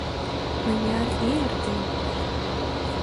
Мыняр ий эртен...